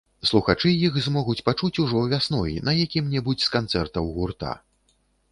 Слухачы іх змогуць пачуць ужо вясной, на якім-небудзь з канцэртаў гурта.